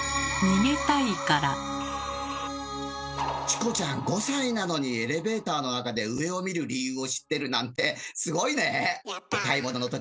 チコちゃん５歳なのにエレベーターの中で上を見る理由を知ってるなんてすごいね！